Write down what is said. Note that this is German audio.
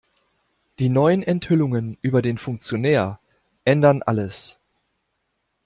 Die neuen Enthüllungen über den Funktionär ändern alles.